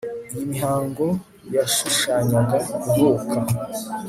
iyi mihango yashushanyaga kuvuka